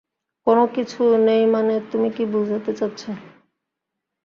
কোনো কিছু নেই মানে তুমি কি বুঝাতে চাচ্ছ।